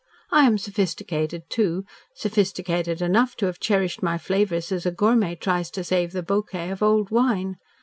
I am sophisticated, too, sophisticated enough to have cherished my flavours as a gourmet tries to save the bouquet of old wine.